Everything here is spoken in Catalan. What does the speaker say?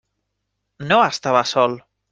No estava sol.